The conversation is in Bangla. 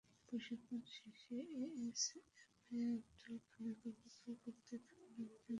প্রশিক্ষণ শেষে A S M A Abdul Khalek অপেক্ষা করতে থাকেন অভিযানে যাওয়ার।